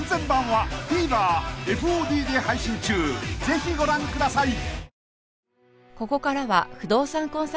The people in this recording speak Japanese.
［ぜひご覧ください］